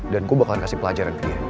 dan gue bakal kasih pelajaran ke dia